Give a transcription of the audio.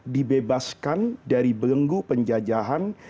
dibebaskan dari belenggu penjajahan